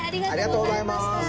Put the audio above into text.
ありがとうございます。